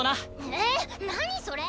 え何それ！？